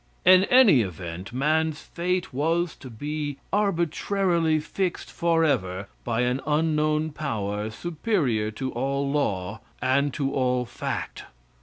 In any event, man's fate was to be arbitrarily fixed forever by an unknown power superior to all law, and to all fact.